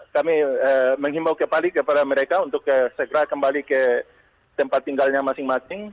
kami menghimbau kembali kepada mereka untuk segera kembali ke tempat tinggalnya masing masing